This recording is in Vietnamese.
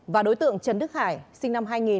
và đối tượng trần đức hải sinh năm hai nghìn